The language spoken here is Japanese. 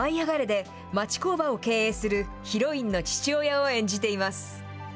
で、町工場を経営するヒロインの父親を演じています。